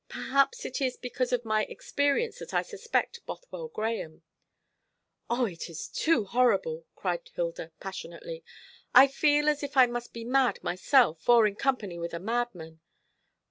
Perhaps it is because of my experience that I suspect Bothwell Grahame." "O, it is too horrible!" cried Hilda passionately. "I feel as if I must be mad myself, or in company with a madman.